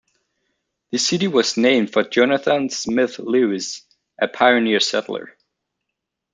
The city was named for Jonathan Smith Lewis, a pioneer settler.